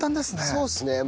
そうですね。